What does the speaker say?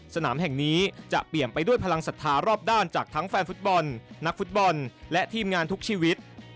สนามแห่งนี้จะเปลี่ยนไปด้วยพลังศรัทธารอบด้านจากทั้งแฟนฟุตบอลนักฟุตบอลและทีมงานทุกชีวิต